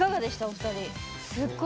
お二人。